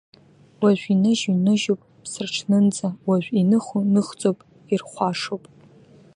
Уажә иныжьу ныжьуп ԥсраҽнынӡа, уажә иныху ныхӡоуп ирхәашоуп.